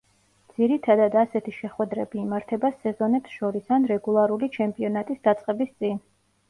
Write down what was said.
ძირითადად ასეთი შეხვედრები იმართება სეზონებს შორის ან რეგულარული ჩემპიონატის დაწყების წინ.